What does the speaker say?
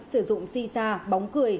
sử dụng si sa bóng cười